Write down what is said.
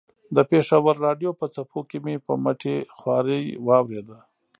د پېښور راډیو په څپو کې مې په مټې خوارۍ واورېده.